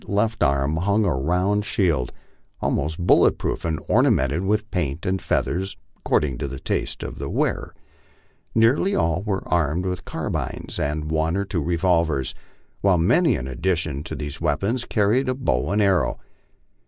65 left arm hung the round shield, almost bullet proof, and ornamented with paint and feathers according to the taste of the wearer. Nearly all were armed with carbines and one or two revolvers, while many in addition to these weap ons carried the bow and arrow.